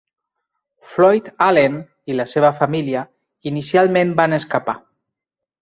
Floyd Allen i la seva família, inicialment, van escapar.